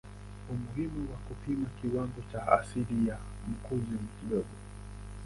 Umuhimu wa kupima kiwango cha asidi ya mkojo ni mdogo.